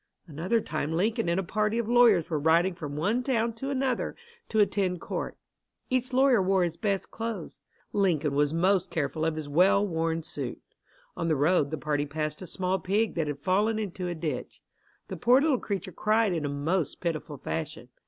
Another time Lincoln and a party of lawyers were riding from one town to another to attend court. Each lawyer wore his best clothes. Lincoln was most careful of his well worn suit. On the road the party passed a small pig that had fallen into a ditch. The poor little creature cried in a most pitiful fashion.